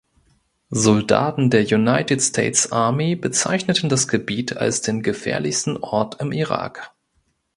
Soldaten der United States Army bezeichneten das Gebiet als den „gefährlichsten Ort im Irak“.